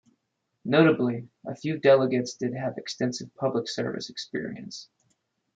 Notably, a few delegates did have extensive public service experience.